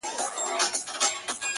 له سهاره ترماښامه به پر کار وو -